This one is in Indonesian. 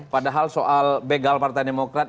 padahal soal begal partai demokrat